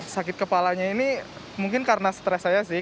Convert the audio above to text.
sakit kepalanya ini mungkin karena stres saya sih